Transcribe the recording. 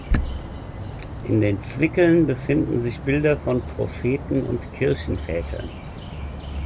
In den Zwickeln befinden sich Bilder von Propheten und Kirchenvätern.